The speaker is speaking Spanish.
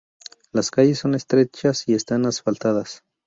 Las calles son estrechas y están asfaltadas.